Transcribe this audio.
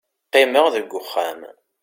qqimeɣ deg uxxam